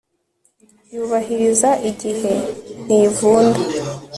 yubahiriza igihe, ntivunda